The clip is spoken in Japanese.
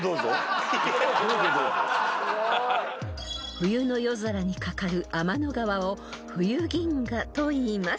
［冬の夜空にかかる天の川を冬銀河といいます］